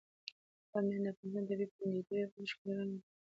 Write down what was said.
بامیان د افغانستان د طبیعي پدیدو یو بل ښکلی رنګ دی.